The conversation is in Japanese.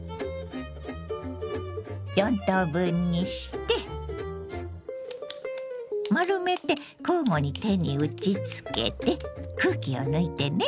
４等分にして丸めて交互に手に打ちつけて空気を抜いてね。